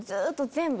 全部？